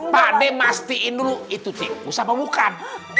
pade pasti itu itu cikgu sama bukan